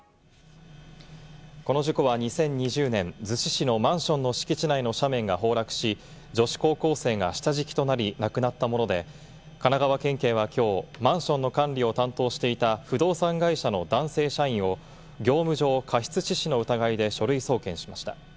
この事故は２０２０年、逗子市のマンションの敷地内の斜面が崩落し、女子高校生が下敷きとなり、亡くなったもので、神奈川県警はきょう、マンションの管理を担当していた不動産会社の男性社員を業務上過失致死の疑いで書類送検しました。